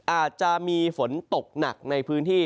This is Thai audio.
อาจจะมีฝนตกหนักในพื้นที่